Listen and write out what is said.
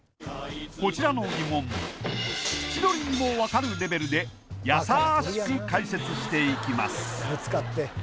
こちらの疑問千鳥にも分かるレベルでやさしく解説していきます